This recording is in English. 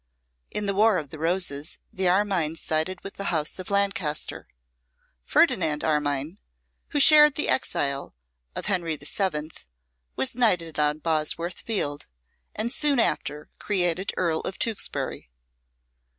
In the Wars of the Roses the Armyns sided with the house of Lancaster. Ferdinand Armyn, who shared the exile of Henry the Seventh, was knighted on Bosworth Field, and soon after created Earl of Tewkesbury.